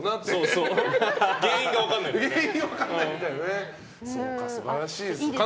原因が分からないからね。